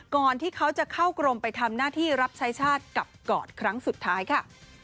ก่อนที่เขาจะเข้ากรมไปทำหน้าที่รับใช้ชาติกับกอดครั้งสุดท้ายค่ะ